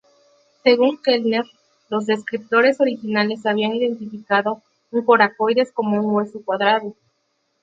Según Kellner, los descriptores originales habían identificado un coracoides como un hueso cuadrado.